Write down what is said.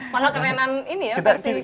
malah kerenan ini ya berarti